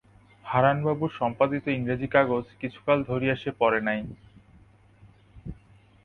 হারানবাবুর সম্পাদিত ইংরেজি কাগজ কিছুকাল ধরিয়া সে পড়ে নাই।